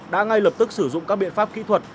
đã ngay lập tức sử dụng các biện pháp kỹ thuật